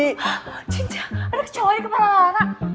hah cincang ada ke cowok di kepala rara